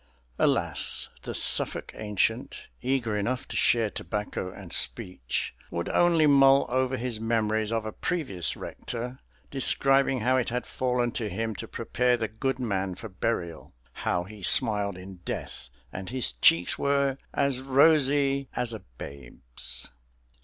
Alas, the Suffolk ancient, eager enough to share tobacco and speech, would only mull over his memories of a previous rector, describing how it had fallen to him to prepare the good man for burial; how he smiled in death and his cheeks were as rosy as a babe's.